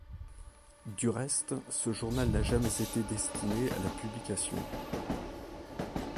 Du reste ce journal n'a jamais été destiné à la publication.